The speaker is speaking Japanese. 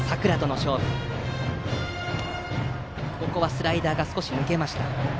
スライダーが少し抜けました。